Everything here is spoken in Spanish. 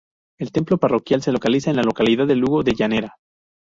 El templo parroquial se localiza en la localidad de Lugo de Llanera.